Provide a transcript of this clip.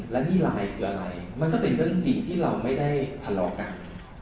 และนี่ไลน์คืออะไรมันก็เป็นเรื่องจริงที่เราไม่ได้ทะเลาะกัน